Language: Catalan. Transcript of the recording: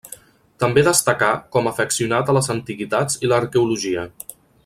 També destacà com afeccionat a les antiguitats i l'arqueologia.